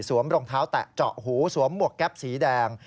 รองเท้าแตะเจาะหูสวมหมวกแก๊ปสีแดง